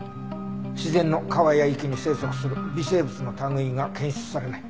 自然の川や池に生息する微生物の類いが検出されない。